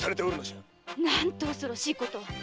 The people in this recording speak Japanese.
何と恐ろしいことを。